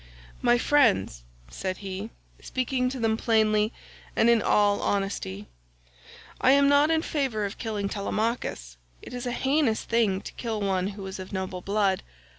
"My friends," said he, speaking to them plainly and in all honestly, "I am not in favour of killing Telemachus. It is a heinous thing to kill one who is of noble blood.